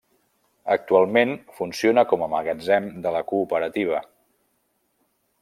Actualment funciona com a magatzem de la Cooperativa.